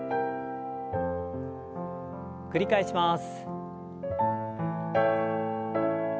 繰り返します。